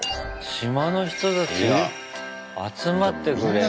島の人たちが集まってくれんだ。